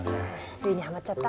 ついにハマっちゃった？